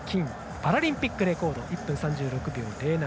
パラリンピックレコード１分３６秒０７。